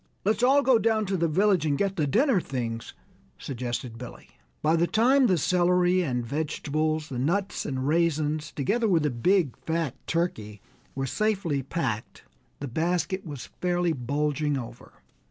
"Let's all go down to the village and get the dinner things," suggested Billy. By the time the celery and vegetables, the nuts and raisins, together with the big, fat turkey, were safely packed, the basket was fairly bulging over.